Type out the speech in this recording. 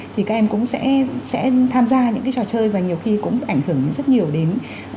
thì các em cũng sẽ tham gia những cái trò chơi và nhiều khi cũng ảnh hưởng đến rất nhiều đến